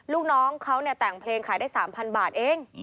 ลูกน้องเขาเนี่ยแต่งเพลงขายได้สามพันบาทเอง